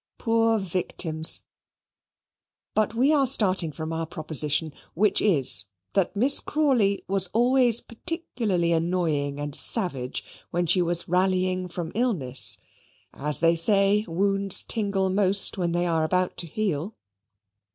Poor victims! But we are starting from our proposition, which is, that Miss Crawley was always particularly annoying and savage when she was rallying from illness as they say wounds tingle most when they are about to heal.